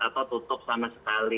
atau tutup sama sekali